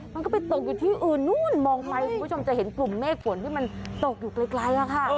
มันก็ไปตกอยู่ที่อื่นนู้นมองไปคุณผู้ชมจะเห็นกลุ่มเมฆฝนที่มันตกอยู่ไกลค่ะ